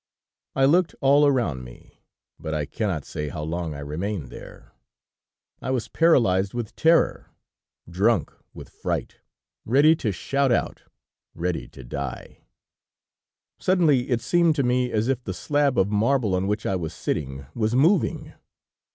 I looked all around me, but I cannot say how long I remained there; I was paralyzed with terror, drunk with fright, ready to shout out, ready to die. "Suddenly, it seemed to me as if the slab of marble on which I was sitting, was moving.